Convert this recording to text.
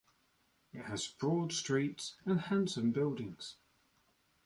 It has broad streets and handsome buildings.